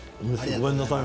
ごめんなさい